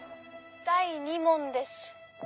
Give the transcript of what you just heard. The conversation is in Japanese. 「第２問」です。